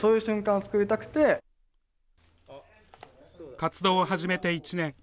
活動を始めて１年。